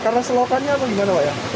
apa karena selokannya atau gimana pak